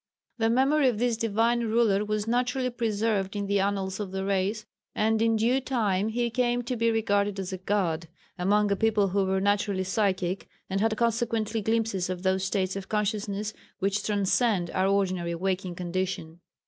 The memory of this divine ruler was naturally preserved in the annals of the race, and in due time he came to be regarded as a god, among a people who were naturally psychic, and had consequently glimpses of those states of consciousness which transcend our ordinary waking condition.